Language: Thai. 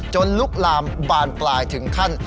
ลุกลามบานปลายถึงขั้น